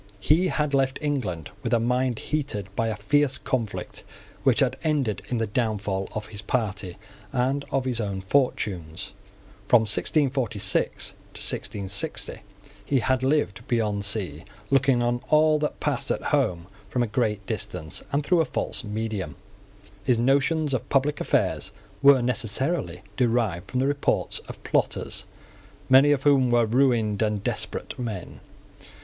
He had left England with a mind heated by a fierce conflict which had ended in the downfall of his party and of his own fortunes. From 1646 to 1660 he had lived beyond sea, looking on all that passed at home from a great distance, and through a false medium. His notions of public affairs were necessarily derived from the reports of plotters, many of whom were ruined and desperate men.